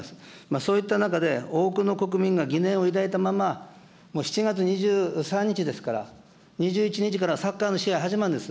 そういった中で、多くの国民が疑念を抱いたまま、もう７月２３日ですから、２１日からサッカーの試合始まるんです。